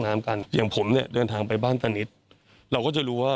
น้ำกันอย่างผมเนี่ยเดินทางไปบ้านตานิดเราก็จะรู้ว่า